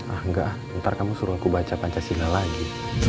ah enggak ntar kamu suruh aku baca pancasila lagi